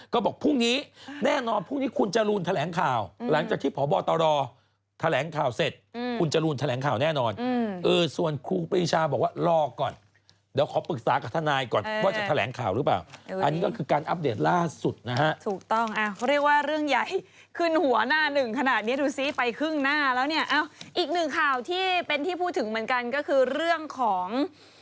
ก็บอกพรุ่งนี้แน่นอนพรุ่งนี้คุณจะรูลแถลงข่าวหลังจากที่ผอบตรแถลงข่าวเสร็จอืมคุณจะรูลแถลงข่าวแน่นอนอืมเออส่วนครูปริชาบอกว่ารอก่อนเดี๋ยวขอปรึกษากับท่านายก่อนเอ่ยว่าจะแถลงข่าวหรือเปล่าอันนี้ก็คือการอัปเดตล่าสุดนะฮะถูกต้องอะเขาเรียกว่าเรื่อง